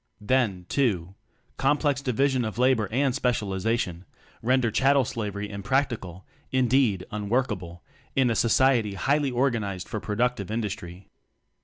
Then, too, complex division of labor and specialization render chattel slav ery impractical, indeed unworkable, in a society highly organized for pro ductive industry.